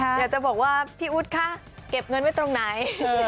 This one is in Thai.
อยากจะบอกว่าพี่อุ๊ดคะเก็บเงินไว้ตรงไหน